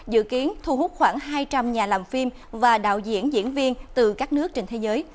dự kiến thu hút khoảng hai trăm linh nhà làm phim và đạo diễn diễn viên từ các nước trên thế giới